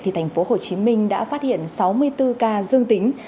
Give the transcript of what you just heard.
thành phố hồ chí minh đã phát hiện sáu mươi bốn ca dương tính